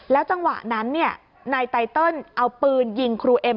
แล้วจังหวะนั้นเนี่ยนายไตเติลเอาปืนยิงครูเอ็ม